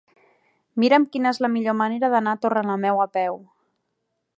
Mira'm quina és la millor manera d'anar a Torrelameu a peu.